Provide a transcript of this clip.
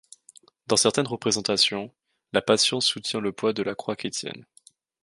Dans certaines représentations, la Patience soutient le poids de la Croix chrétienne.